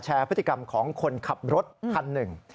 พฤติกรรมของคนขับรถคันหนึ่ง